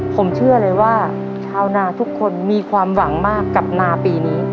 ผมเชื่อเลยว่าชาวนาทุกคนมีความหวังมากกับนาปีนี้